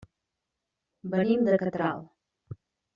Venim de Catral.